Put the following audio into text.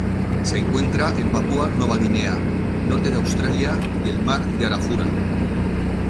Se encuentra en Papúa Nueva Guinea norte de Australia y el Mar de Arafura.